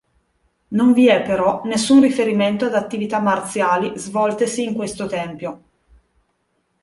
Non vi è però nessun riferimento ad attività marziali svoltesi in questo tempio.